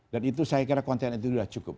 dan itu saya kira konten itu sudah cukup